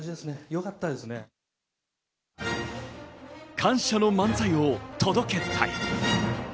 感謝の漫才を届けたい。